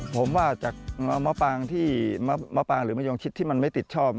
ผมว่าจากมะปางหรือมะยองชิดที่มันไม่ติดช่อ